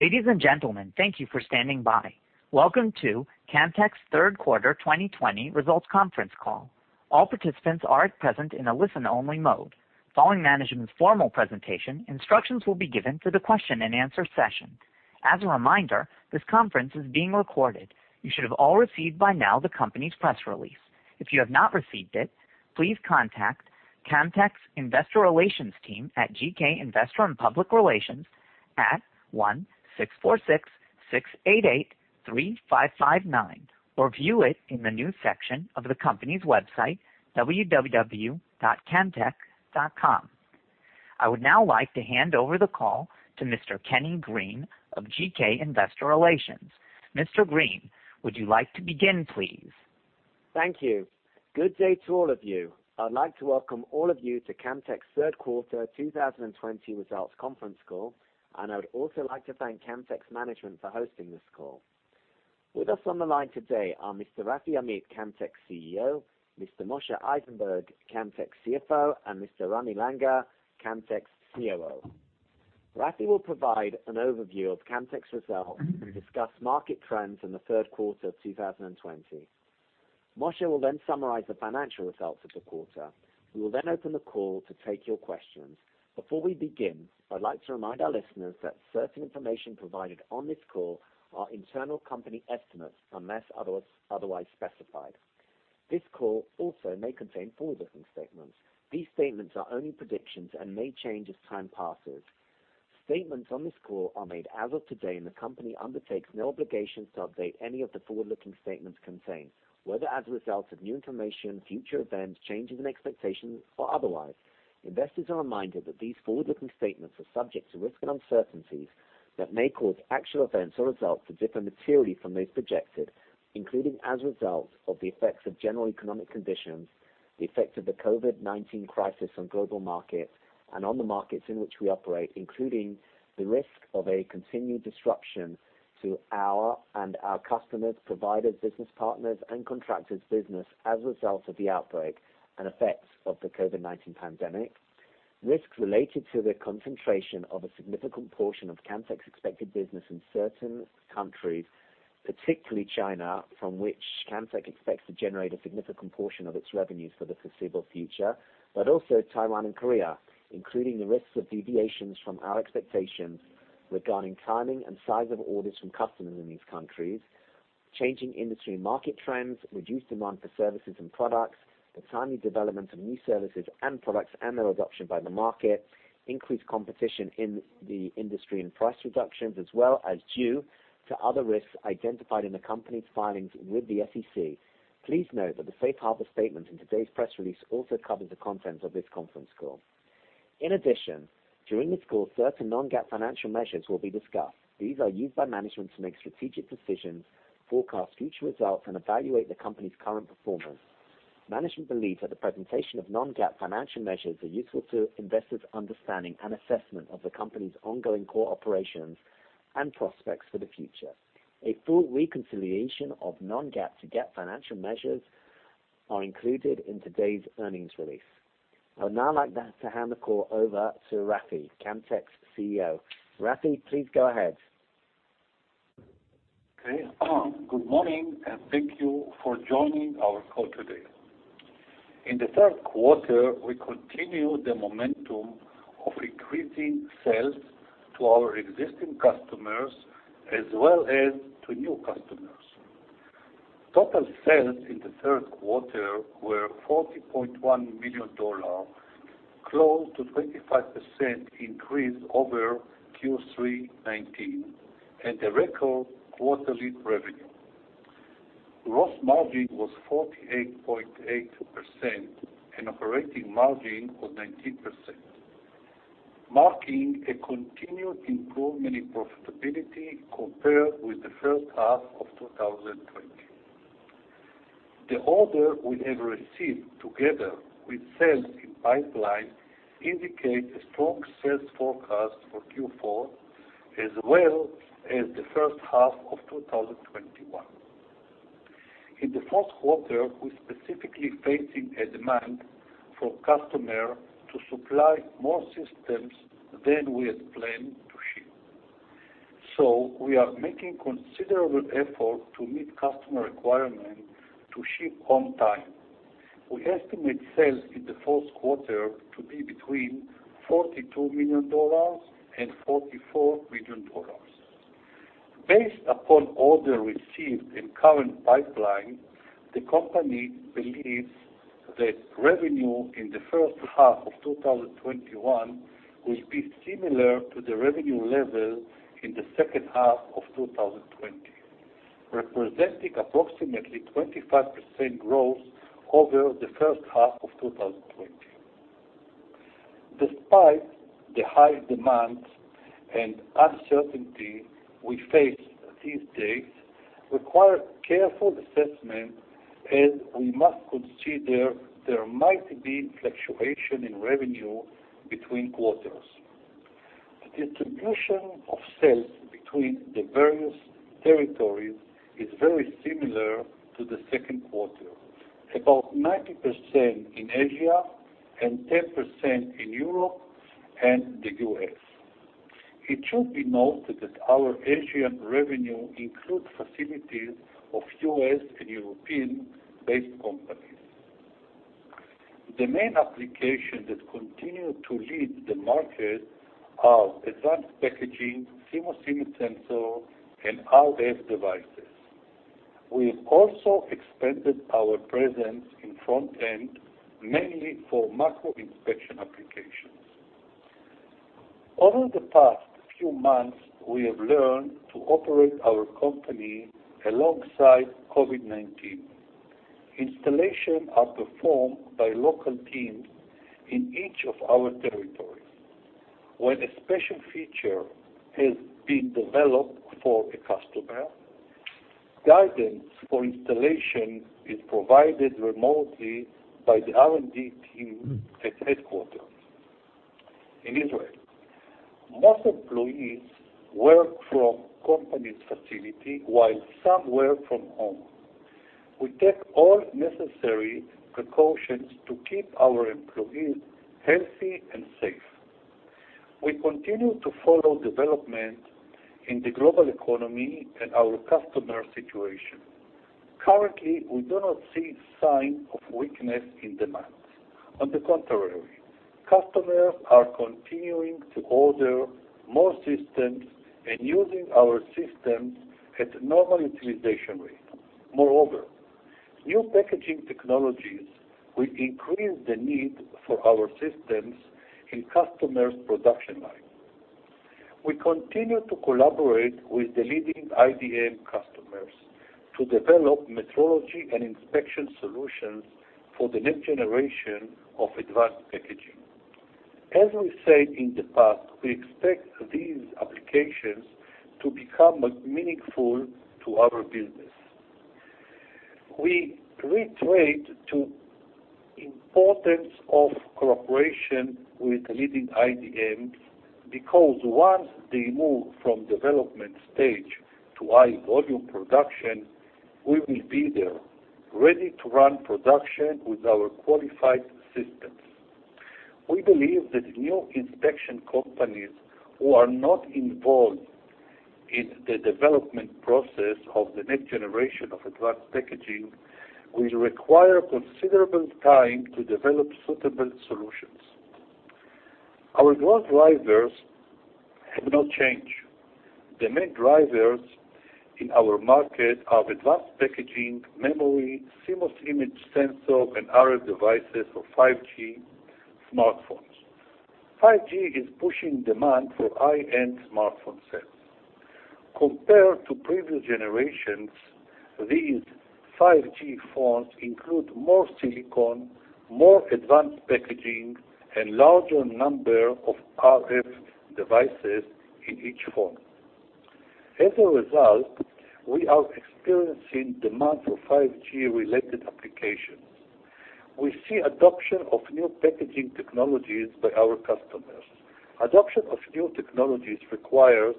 Ladies and gentlemen, thank you for standing by. Welcome to Camtek's third quarter 2020 results conference call. All participants are at present in a listen-only mode. Following management's formal presentation, instructions will be given for the question and answer session. As a reminder, this conference is being recorded. You should have all received by now the company's press release. If you have not received it, please contact Camtek's investor relations team at GK Investor & Public Relations at 1-646-688-3559 or view it in the news section of the company's website, www.camtek.com. I would now like to hand over the call to Mr. Kenny Green of GK Investor Relations. Mr. Green, would you like to begin, please? Thank you. Good day to all of you. I'd like to welcome all of you to Camtek's third quarter 2020 results conference call, and I would also like to thank Camtek's management for hosting this call. With us on the line today are Mr. Rafi Amit, Camtek's CEO, Mr. Moshe Eisenberg, Camtek's CFO, and Mr. Ramy Langer, Camtek's COO. Rafi will provide an overview of Camtek's results and discuss market trends in the third quarter of 2020. Moshe will summarize the financial results of the quarter. We will open the call to take your questions. Before we begin, I'd like to remind our listeners that certain information provided on this call are internal company estimates, unless otherwise specified. This call also may contain forward-looking statements. These statements are only predictions and may change as time passes. Statements on this call are made as of today, and the company undertakes no obligations to update any of the forward-looking statements contained, whether as a result of new information, future events, changes in expectations, or otherwise. Investors are reminded that these forward-looking statements are subject to risks and uncertainties that may cause actual events or results to differ materially from those projected, including as a result of the effects of general economic conditions, the effect of the COVID-19 crisis on global markets and on the markets in which we operate, including the risk of a continued disruption to our and our customers', providers', business partners' and contractors' business as a result of the outbreak and effects of the COVID-19 pandemic. Risks related to the concentration of a significant portion of Camtek's expected business in certain countries, particularly China, from which Camtek expects to generate a significant portion of its revenues for the foreseeable future, but also Taiwan and Korea, including the risks of deviations from our expectations regarding timing and size of orders from customers in these countries, changing industry market trends, reduced demand for services and products, the timely development of new services and products and their adoption by the market, increased competition in the industry and price reductions, as well as due to other risks identified in the company's filings with the SEC. Please note that the safe harbor statement in today's press release also covers the content of this conference call. In addition, during this call, certain non-GAAP financial measures will be discussed. These are used by management to make strategic decisions, forecast future results, and evaluate the company's current performance. Management believes that the presentation of non-GAAP financial measures are useful to investors' understanding and assessment of the company's ongoing core operations and prospects for the future. A full reconciliation of non-GAAP to GAAP financial measures are included in today's earnings release. I would now like to hand the call over to Rafi, Camtek's CEO. Rafi, please go ahead. Okay. Good morning. Thank you for joining our call today. In the third quarter, we continued the momentum of increasing sales to our existing customers as well as to new customers. Total sales in the third quarter were $40.1 million, close to 25% increase over Q3 2019, and a record quarterly revenue. Gross margin was 48.8%, and operating margin was 19%, marking a continued improvement in profitability compared with the first half of 2020. The orders we have received together with sales in pipeline indicate a strong sales forecast for Q4 as well as the first half of 2021. In the fourth quarter, we're specifically facing a demand for customer to supply more systems than we had planned to ship. We are making considerable effort to meet customer requirement to ship on time. We estimate sales in the fourth quarter to be between $42 million and $44 million. Based upon orders received in current pipeline, the company believes that revenue in the first half of 2021 will be similar to the revenue level in the second half of 2020, representing approximately 25% growth over the first half of 2020. Despite the high demand and uncertainty we face these days require careful assessment as we must consider there might be fluctuation in revenue between quarters. The distribution of sales between the various territories is very similar to the second quarter. About 90% in Asia and 10% in Europe and the U.S. It should be noted that our Asian revenue includes facilities of U.S. and European-based companies. The main application that continue to lead the market are advanced packaging, CMOS image sensor, and RF devices. We also expanded our presence in front-end, mainly for macro inspection applications. Over the past few months, we have learned to operate our company alongside COVID-19. Installations are performed by local teams in each of our territories. When a special feature has been developed for a customer, guidance for installation is provided remotely by the R&D team at headquarters in Israel. Most employees work from company's facility, while some work from home. We take all necessary precautions to keep our employees healthy and safe. We continue to follow development in the global economy and our customer situation. Currently, we do not see signs of weakness in demands. On the contrary, customers are continuing to order more systems and using our systems at normal utilization rate. Moreover, new packaging technologies will increase the need for our systems in customers' production line. We continue to collaborate with the leading IDM customers to develop metrology and inspection solutions for the next generation of advanced packaging. As we said in the past, we expect these applications to become meaningful to our business. We reiterate the importance of cooperation with leading IDMs because once they move from development stage to high volume production, we will be there ready to run production with our qualified systems. We believe that new inspection companies who are not involved in the development process of the next generation of advanced packaging will require considerable time to develop suitable solutions. Our growth drivers have not changed. The main drivers in our market are advanced packaging, memory, CMOS image sensor, and RF devices for 5G smartphones. 5G is pushing demand for high-end smartphone sales. Compared to previous generations, these 5G phones include more silicon, more advanced packaging, and larger number of RF devices in each phone. As a result, we are experiencing demand for 5G-related applications. We see adoption of new packaging technologies by our customers. Adoption of new technologies requires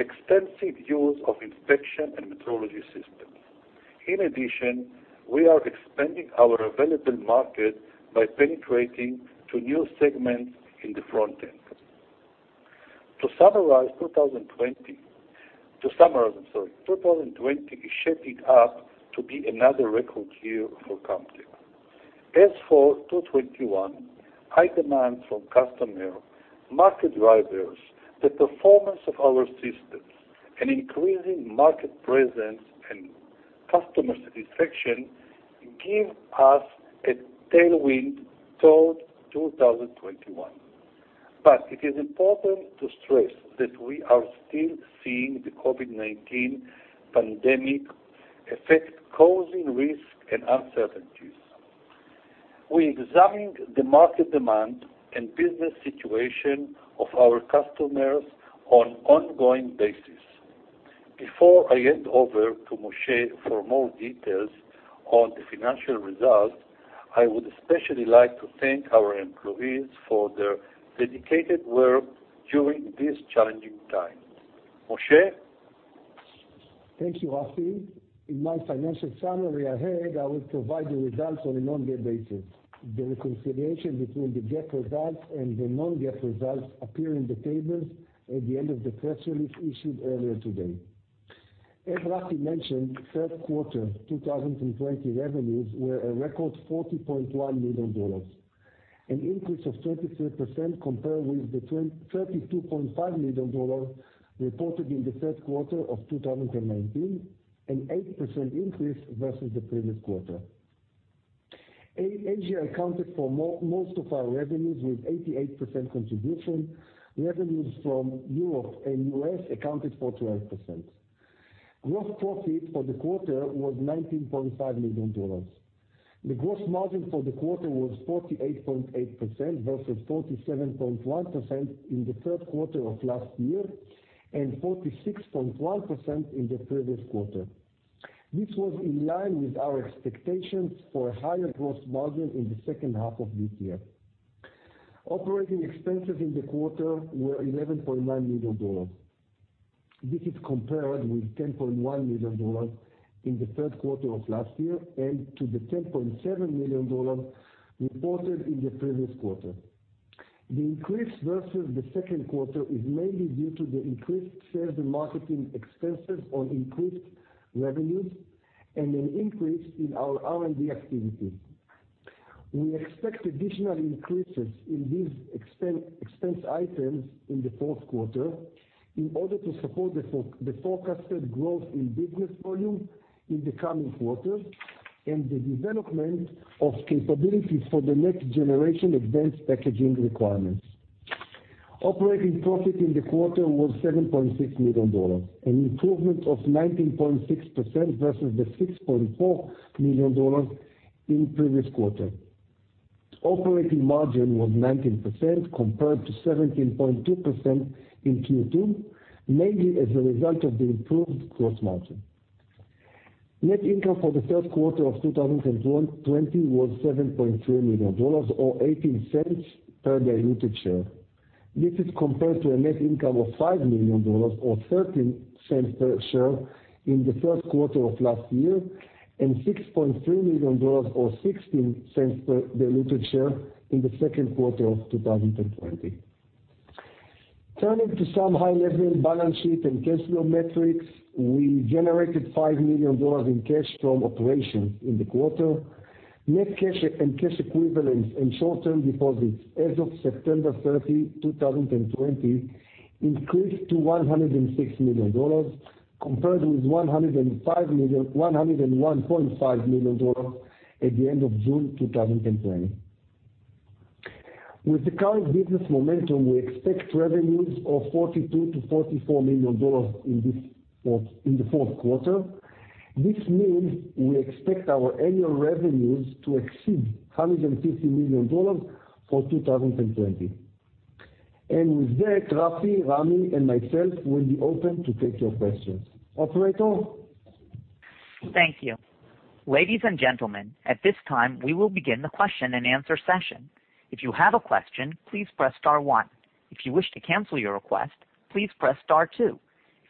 extensive use of inspection and metrology systems. We are expanding our available market by penetrating to new segments in the front end. To summarize 2020. 2020 is shaping up to be another record year for Camtek. High demand from customer, market drivers, the performance of our systems, and increasing market presence and customer satisfaction give us a tailwind toward 2021. It is important to stress that we are still seeing the COVID-19 pandemic effect causing risk and uncertainties. We examine the market demand and business situation of our customers on ongoing basis. Before I hand over to Moshe for more details on the financial results, I would especially like to thank our employees for their dedicated work during these challenging times. Moshe? Thank you, Rafi. In my financial summary ahead, I will provide the results on a non-GAAP basis. The reconciliation between the GAAP results and the non-GAAP results appear in the tables at the end of the press release issued earlier today. As Rafi mentioned, third quarter 2020 revenues were a record $40.1 million, an increase of 33% compared with the $32.5 million reported in the third quarter of 2019, an 8% increase versus the previous quarter. Asia accounted for most of our revenues, with 88% contribution. Revenues from Europe and U.S. accounted for 12%. Gross profit for the quarter was $19.5 million. The gross margin for the quarter was 48.8%, versus 47.1% in the third quarter of last year and 46.1% in the previous quarter. This was in line with our expectations for a higher gross margin in the second half of this year. Operating expenses in the quarter were $11.9 million. This is compared with $10.1 million in the third quarter of last year, and to the $10.7 million reported in the previous quarter. The increase versus the second quarter is mainly due to the increased sales and marketing expenses on increased revenues and an increase in our R&D activity. We expect additional increases in these expense items in the fourth quarter in order to support the forecasted growth in business volume in the coming quarters, and the development of capabilities for the next generation advanced packaging requirements. Operating profit in the quarter was $7.6 million, an improvement of 19.6% versus the $6.4 million in previous quarter. Operating margin was 19% compared to 17.2% in Q2, mainly as a result of the improved gross margin. Net income for the third quarter of 2020 was $7.3 million, or $0.18 per diluted share. This is compared to a net income of $5 million, or $0.13 per share in the third quarter of last year, and $6.3 million or $0.16 per diluted share in the second quarter of 2020. Turning to some high-level balance sheet and cash flow metrics, we generated $5 million in cash from operations in the quarter. Net cash and cash equivalents and short-term deposits as of September 30, 2020, increased to $106 million, compared with $101.5 million at the end of June 2020. With the current business momentum, we expect revenues of $42 million-$44 million in the fourth quarter. This means we expect our annual revenues to exceed $150 million for 2020. With that, Rafi, Rami, and myself will be open to take your questions. Operator? Thank you. Ladies and gentlemen, at this time, we will begin the question and answer session. If you have a question, please press star one. If you wish to cancel your request, please press star two.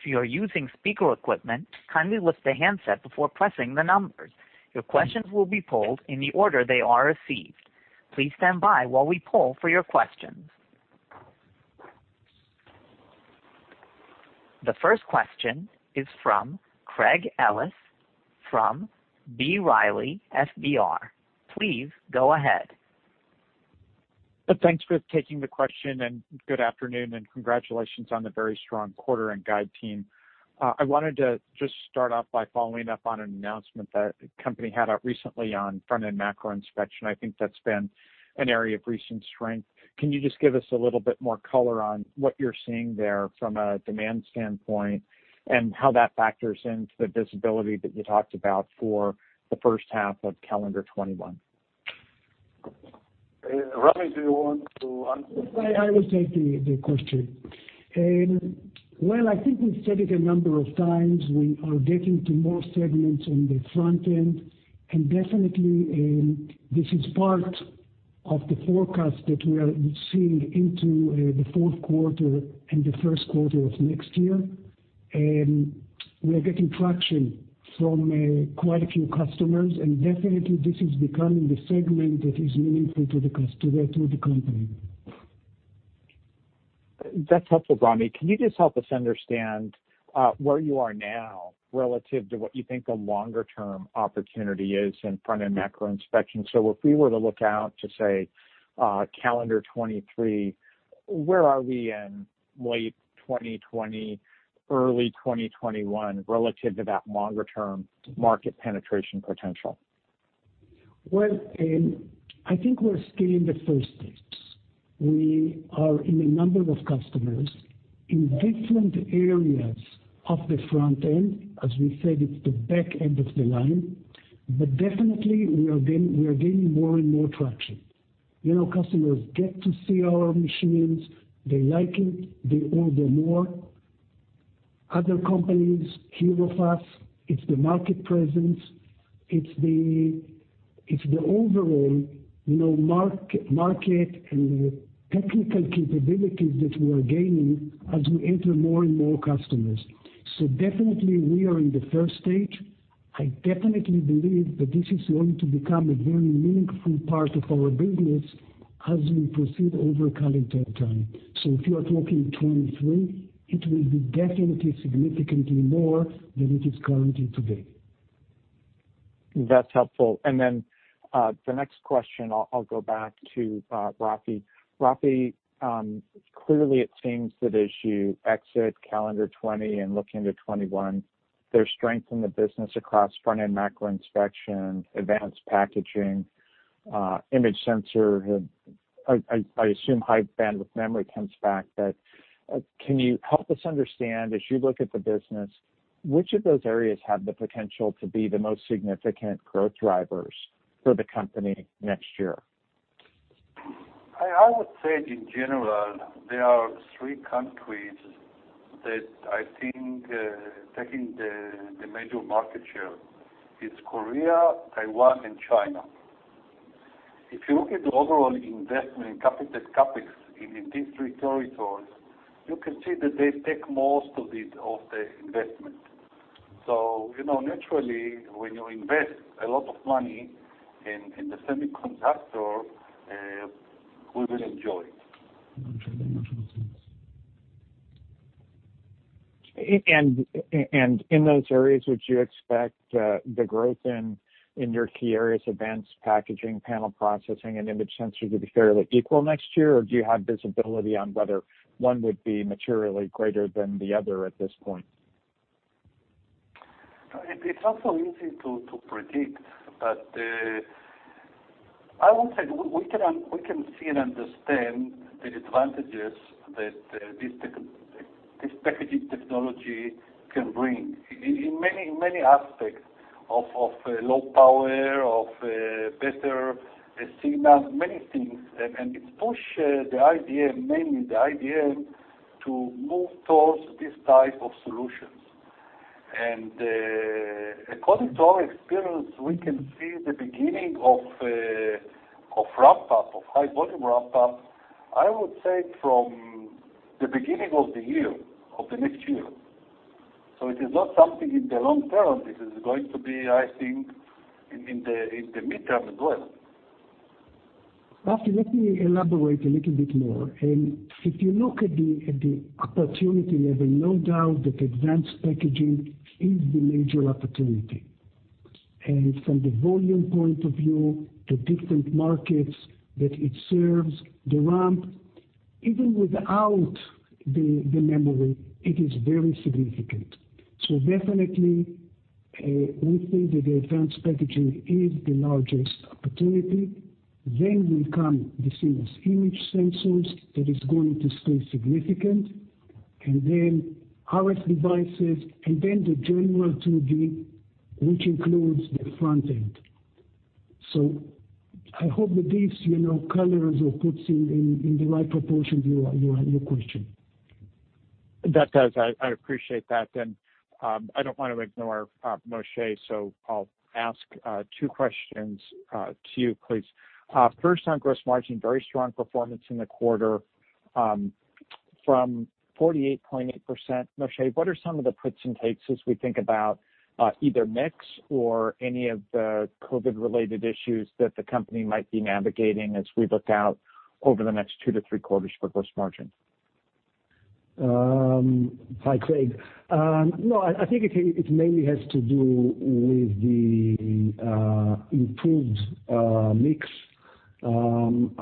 If you are using speaker equipment, kindly lift the handset before pressing the numbers. Your questions will be polled in the order they are received. Please stand by while we poll for your questions. The first question is from Craig Ellis from B. Riley FBR. Please go ahead. Thanks for taking the question, and good afternoon, and congratulations on the very strong quarter and guide team. I wanted to just start off by following up on an announcement that the company had out recently on front-end macro inspection. I think that's been an area of recent strength. Can you just give us a little bit more color on what you're seeing there from a demand standpoint, and how that factors into the visibility that you talked about for the first half of calendar 2021? Ramy, do you want to answer? I will take the question. Well, I think we've said it a number of times. We are getting to more segments on the front end, and definitely, this is part of the forecast that we are seeing into the fourth quarter and the first quarter of next year. We are getting traction from quite a few customers, and definitely this is becoming the segment that is meaningful to the company. That's helpful, Ramy. Can you just help us understand where you are now relative to what you think the longer-term opportunity is in front-end macro inspection? If we were to look out to, say, calendar 2023, where are we in late 2020, early 2021 relative to that longer-term market penetration potential? Well, I think we're still in the first stage. We are in a number of customers in different areas of the front end. As we said, it's the back end of the line. Definitely, we are gaining more and more traction. Customers get to see our machines. They like it. They order more. Other companies hear of us. It's the market presence. It's the overall market and the technical capabilities that we are gaining as we enter more and more customers. Definitely, we are in the 1st stage. I definitely believe that this is going to become a very meaningful part of our business as we proceed over calendar time. If you are talking 2023, it will be definitely significantly more than it is currently today. That's helpful. The next question, I'll go back to Rafi. Rafi, clearly it seems that as you exit calendar 2020 and look into 2021, there's strength in the business across front-end macro inspection, advanced packaging, image sensor, I assume high bandwidth memory comes back. Can you help us understand, as you look at the business, which of those areas have the potential to be the most significant growth drivers for the company next year? I would say in general, there are three countries, That I think taking the major market share is Korea, Taiwan, and China. If you look at the overall investment in CapEx in these three territories, you can see that they take most of the investment. Naturally, when you invest a lot of money in the semiconductor, we will enjoy. In those areas, would you expect the growth in your key areas, advanced packaging, panel processing, and image sensors to be fairly equal next year? Or do you have visibility on whether one would be materially greater than the other at this point? It's not so easy to predict. I would say we can see and understand the advantages that this packaging technology can bring in many aspects of low power, of better signals, many things. It pushes the IDM, mainly the IDM, to move towards these type of solutions. According to our experience, we can see the beginning of ramp-up, of high-volume ramp-up, I would say, from the beginning of the year, of the next year. It is not something in the long term. This is going to be, I think, in the midterm as well. Rafi, let me elaborate a little bit more. If you look at the opportunity level, no doubt that advanced packaging is the major opportunity. From the volume point of view to different markets that it serves, the ramp, even without the memory, it is very significant. Definitely, we think that the advanced packaging is the largest opportunity. Will come the CMOS image sensors, that is going to stay significant, and then RF devices, and then the general 2D, which includes the front end. I hope that this colors or puts in the right proportion your question. That does. I appreciate that. I don't want to ignore Moshe, so I'll ask two questions to you, please. First, on gross margin, very strong performance in the quarter. From 48.8%, Moshe, what are some of the puts and takes as we think about either mix or any of the COVID-related issues that the company might be navigating as we look out over the next two to three quarters for gross margin? Hi, Craig. I think it mainly has to do with the improved mix. The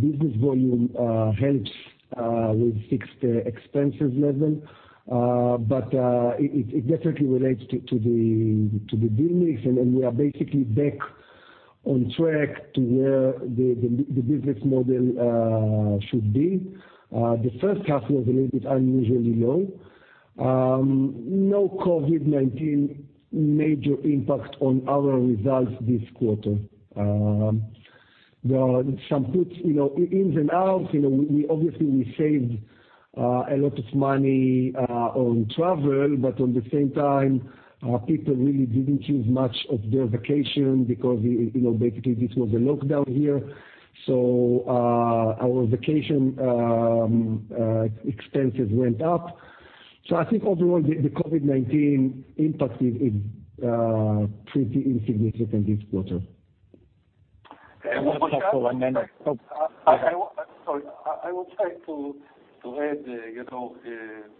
business volume helps with fixed expenses level. It definitely relates to the good mix, and we are basically back on track to where the business model should be. The first half was a little bit unusually low. COVID-19 major impact on our results this quarter. There are some puts, ins and outs. Obviously, we saved a lot of money on travel, but at the same time, our people really didn't use much of their vacation because basically this was a lockdown here. Our vacation expenses went up. I think overall, the COVID-19 impact is pretty insignificant this quarter. I will try to add,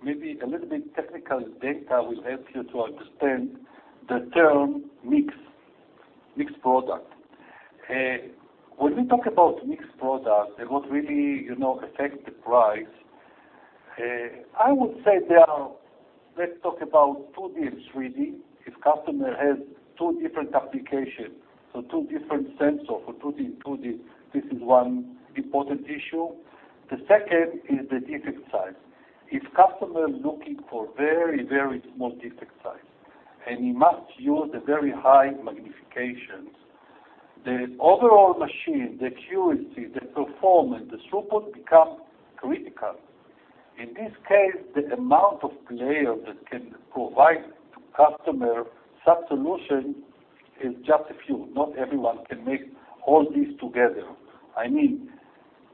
maybe a little bit technical data will help you to understand the term mixed product. When we talk about mixed product, that would really affect the price. I would say there are, let's talk about 2D and 3D. If customer has two different applications, so two different sensor for 2D, this is one important issue. The second is the defect size. If customer is looking for very small defect size, and he must use a very high magnification, the overall machine, the accuracy, the performance, the throughput become critical. In this case, the amount of player that can provide to customer such solution is just a few. Not everyone can make all these together. I mean,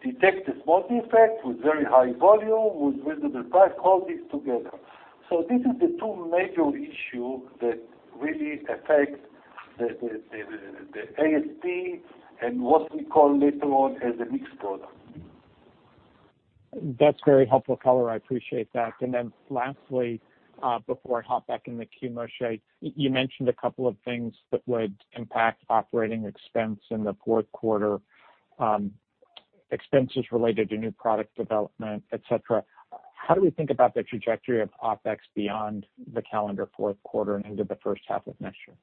detect the small defect with very high volume, with reasonable price, all these together. This is the two major issue that really affect the ASP and what we call later on as a mixed product. That's very helpful color. I appreciate that. Then lastly, before I hop back in the queue, Moshe, you mentioned a couple of things that would impact operating expense in the fourth quarter, expenses related to new product development, et cetera. How do we think about the trajectory of OpEx beyond the calendar fourth quarter and into the first half of next year?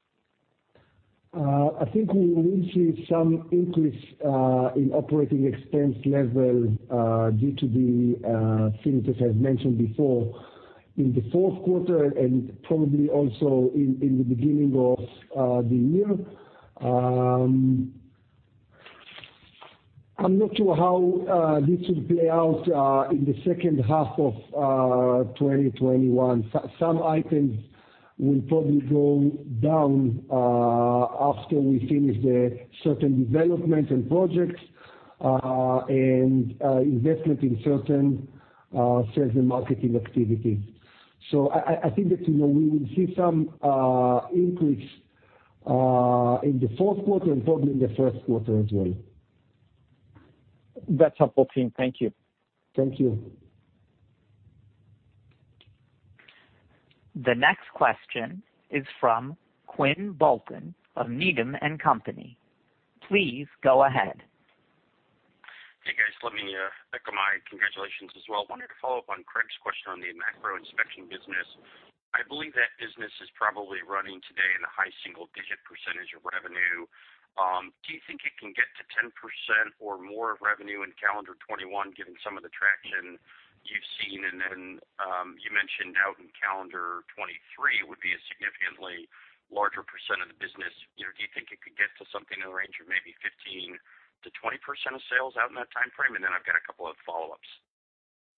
I think we will see some increase in operating expense level due to the things that I've mentioned before, in the fourth quarter and probably also in the beginning of the year. I'm not sure how this will play out in the second half of 2021. Some items will probably go down after we finish the certain development and projects, and investment in certain sales and marketing activities. I think that we will see some increase in the fourth quarter and probably in the first quarter as well. That's helpful, team. Thank you. Thank you. The next question is from Quinn Bolton of Needham & Company. Please go ahead. Hey, guys. Let me echo my congratulations as well. Wanted to follow up on Craig's question on the macro inspection business. I believe that business is probably running today in the high single-digit percentage of revenue. Do you think it can get to 10% or more of revenue in calendar 2021, given some of the traction you've seen? Then you mentioned out in calendar 2023, it would be a significantly larger % of the business. Do you think it could get to something in the range of maybe 15%-20% of sales out in that timeframe? Then I've got a couple of follow-ups.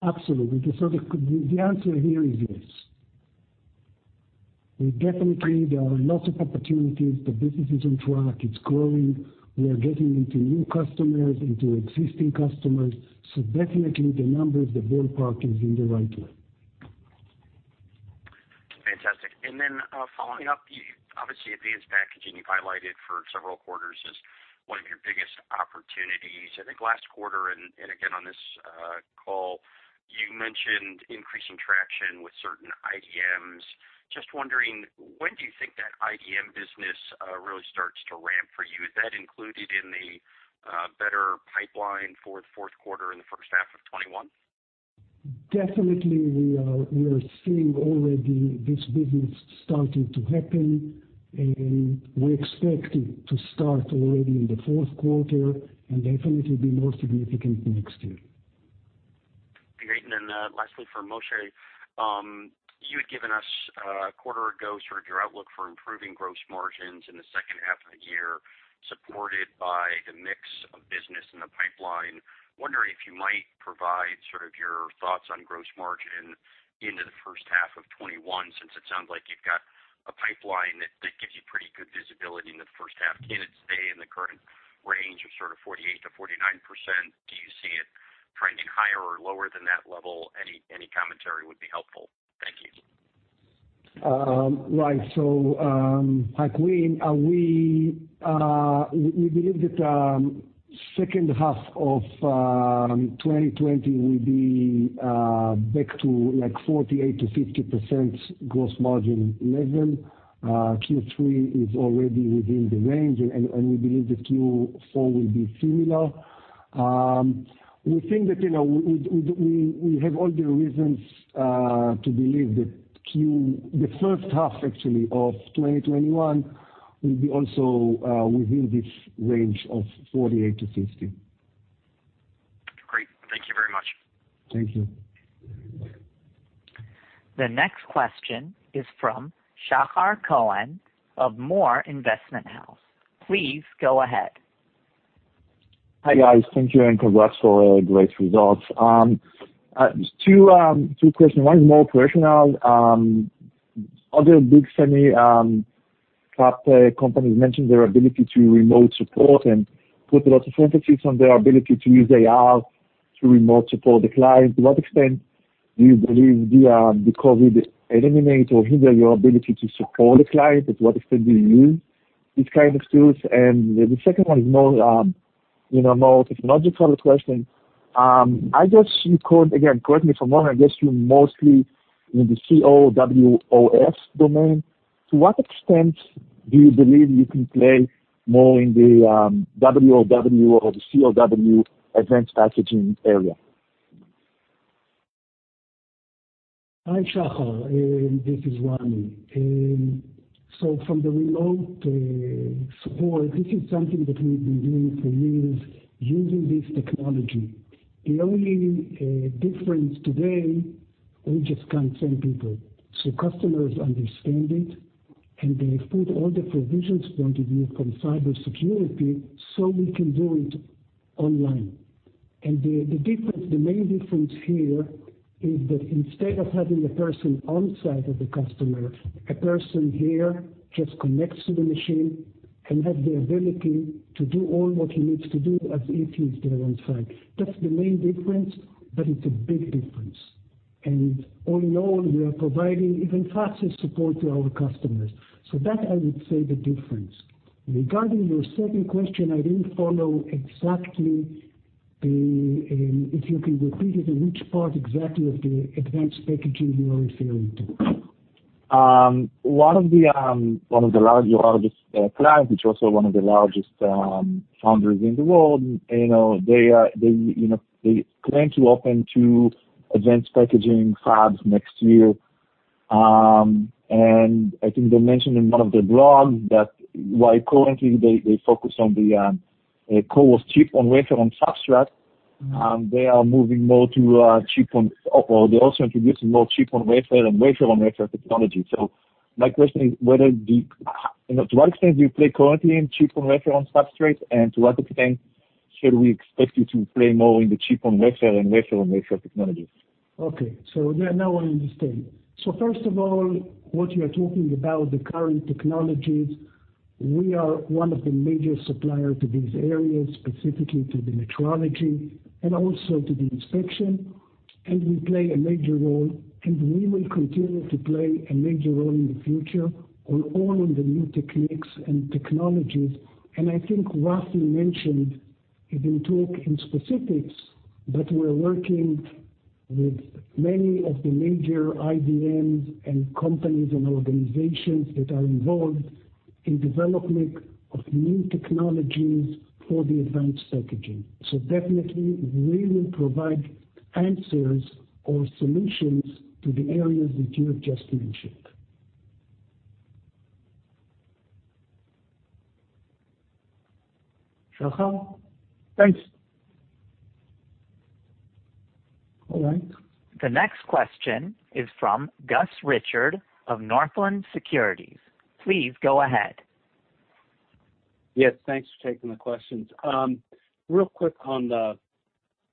Absolutely. The answer here is yes. We definitely, there are lots of opportunities. The business is on track. It's growing. We are getting into new customers, into existing customers. Definitely the numbers, the ballpark is in the right way. Fantastic. Following up, obviously advanced packaging you've highlighted for several quarters as one of your biggest opportunities. I think last quarter and again on this call, you mentioned increasing traction with certain IDMs. Wondering, when do you think that IDM business really starts to ramp for you? Is that included in the better pipeline for the fourth quarter and the first half of 2021? Definitely, we are seeing already this business starting to happen. We expect it to start already in the fourth quarter, and definitely be more significant next year. Great. Lastly for Moshe. You had given us a quarter ago, your outlook for improving gross margins in the second half of the year, supported by the mix of business in the pipeline. Wondering if you might provide your thoughts on gross margin into the first half of 2021, since it sounds like you've got a pipeline that gives you pretty good visibility in the first half. Can it stay in the current range of sort of 48%-49%? Do you see it trending higher or lower than that level? Any commentary would be helpful. Thank you. Right. Hi, Quinn. We believe that second half of 2020 will be back to 48%-50% gross margin level. Q3 is already within the range, and we believe that Q4 will be similar. We think that we have all the reasons to believe that the first half, actually, of 2021 will be also within this range of 48%-50%. Great. Thank you very much. Thank you. The next question is from Shahar Cohen of More Investment House. Please go ahead. Hi, guys. Thank you, congrats for great results. Two question. One is more personal. Other big semi fab companies mentioned their ability to remote support and put a lot of emphasis on their ability to use AR to remote support the client. To what extent do you believe the COVID-19 eliminate or hinder your ability to support the client? To what extent do you use this kind of tools? The second one is more of a technological question. I guess you called, again, correct me if I'm wrong, I guess you're mostly in the CoWoS domain. To what extent do you believe you can play more in the WoW or the CoW advanced packaging area? Hi, Shahar. This is Ramy. From the remote support, this is something that we've been doing for years using this technology. The only difference today, we just can't send people. Customers understand it, they put all the provisions point of view from cyber security so we can do it online. The main difference here is that instead of having a person on-site at the customer, a person here just connects to the machine and have the ability to do all what he needs to do as if he's there on-site. That's the main difference, it's a big difference. All in all, we are providing even faster support to our customers. That I would say the difference. Regarding your second question, I didn't follow exactly, if you can repeat it, in which part exactly of the advanced packaging you are referring to. One of your largest clients, which also one of the largest foundries in the world, they plan to open 2 advanced packaging fabs next year. I think they mentioned in one of their blogs that while currently they focus on the CoWoS Chip-on-Wafer-on-Substrate, they are moving more to chip on, or they're also introducing more chip on wafer and wafer on wafer technology. My question is, to what extent do you play currently in Chip-on-Wafer-on-Substrate? To what extent should we expect you to play more in the chip on wafer and wafer on wafer technologies? Okay. Now I understand. First of all, what you are talking about, the current technologies, we are one of the major supplier to these areas, specifically to the metrology and also to the inspection. We play a major role, and we will continue to play a major role in the future on all of the new techniques and technologies. I think Rafi mentioned, he didn't talk in specifics, but we're working with many of the major IDMs and companies and organizations that are involved in development of new technologies for the advanced packaging. Definitely, we will provide answers or solutions to the areas that you have just mentioned. Shalom. Thanks. All right. The next question is from Gus Richard of Northland Securities. Please go ahead. Yes, thanks for taking the questions. Real quick on the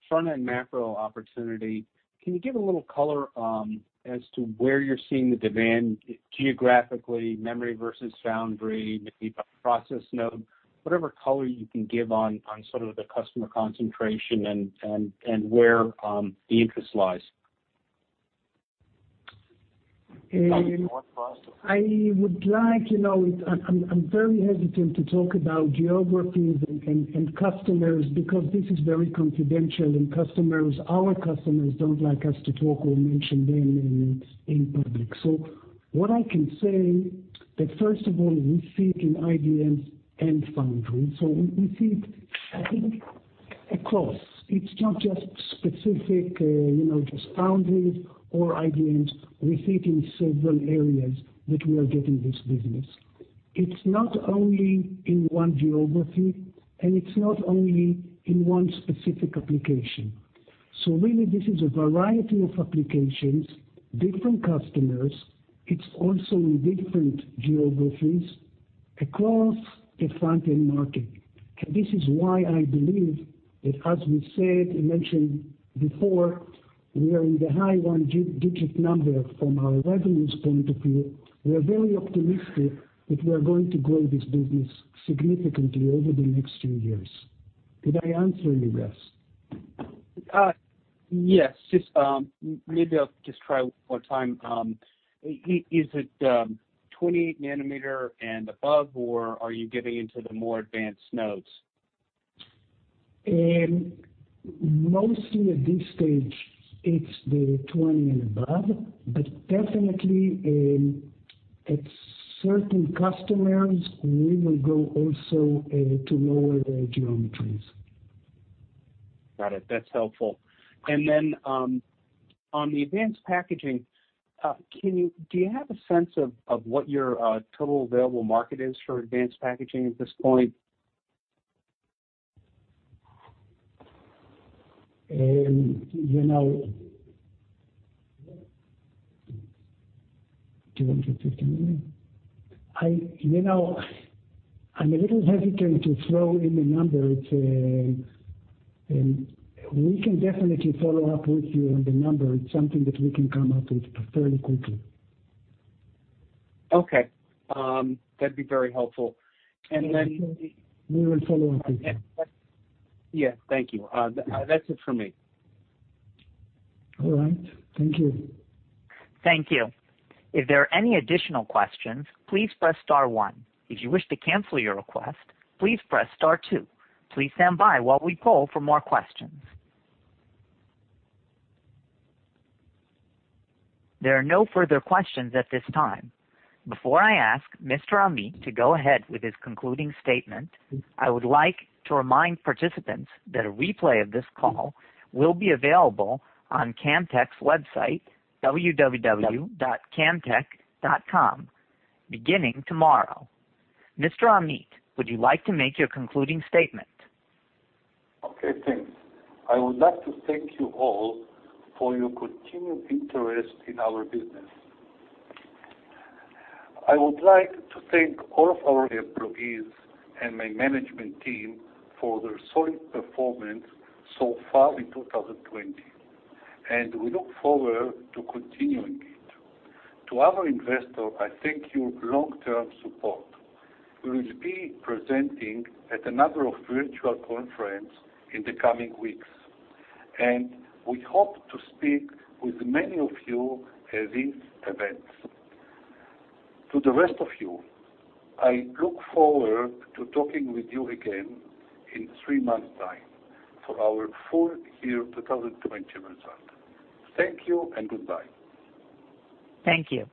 front-end macro opportunity, can you give a little color as to where you're seeing the demand geographically, memory versus foundry, maybe by process node, whatever color you can give on sort of the customer concentration and where the interest lies? I would like, I'm very hesitant to talk about geographies and customers because this is very confidential, and our customers don't like us to talk or mention them in public. What I can say, that first of all, we see it in IDMs and foundries. We see it, I think, across. It's not just specific just foundries or IDMs. We see it in several areas that we are getting this business. It's not only in one geography, and it's not only in one specific application. Really, this is a variety of applications, different customers. It's also in different geographies across the front-end market. This is why I believe that as we said, we mentioned before, we are in the high one digit number from our revenues point of view. We are very optimistic that we are going to grow this business significantly over the next few years. Did I answer you, Gus? Yes. Maybe I'll just try one more time. Is it 28 nanometer and above, or are you getting into the more advanced nodes? Mostly at this stage, it's the 20 and above, but definitely, at certain customers, we will go also to lower geometries. Got it. That's helpful. On the advanced packaging, do you have a sense of what your total available market is for advanced packaging at this point? Do you want to take that one? I'm a little hesitant to throw in a number. We can definitely follow up with you on the number. It's something that we can come up with fairly quickly. Okay. That'd be very helpful. We will follow up with you. Yeah. Thank you. That's it for me. All right. Thank you. Thank you. If there are any additional questions, please press star one. If you wish to cancel your request, please press star two. Please stand by while we poll for more questions. There are no further questions at this time. Before I ask Mr. Amit to go ahead with his concluding statement, I would like to remind participants that a replay of this call will be available on Camtek's website, www.camtek.com, beginning tomorrow. Mr. Amit, would you like to make your concluding statement? Okay, thanks. I would like to thank you all for your continued interest in our business. I would like to thank all of our employees and my management team for their solid performance so far in 2020, and we look forward to continuing it. To our investor, I thank your long-term support. We will be presenting at a number of virtual conference in the coming weeks, and we hope to speak with many of you at these events. To the rest of you, I look forward to talking with you again in three months' time for our full year 2020 result. Thank you and goodbye. Thank you.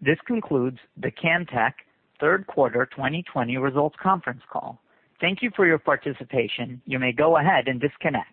This concludes the Camtek third quarter 2020 results conference call. Thank you for your participation. You may go ahead and disconnect.